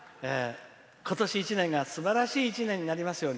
今年一年が、すばらしい一年になりますように。